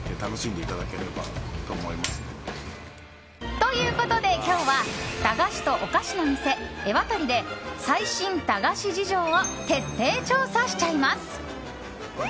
ということで今日は駄菓子とおかしのみせエワタリで最新駄菓子事情を徹底調査しちゃいます。